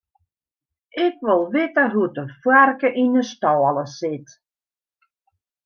Ik wol witte hoe't de foarke yn 'e stâle sit.